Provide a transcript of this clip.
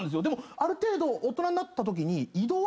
でもある程度大人になったときに。